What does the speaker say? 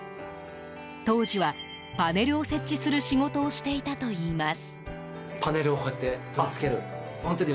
当時は、パネルを設置する仕事をしていたといいます。